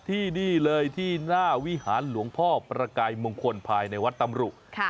ที่นี่เลยที่หน้าวิหารหลวงพ่อประกายมงคลภายในวัดตำรุ